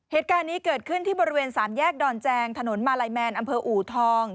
เหตุการณ์นี้เกิดขึ้นที่บริเวณสามแยกดอนแจงถนนมาลัยแมนอำเภออูทอง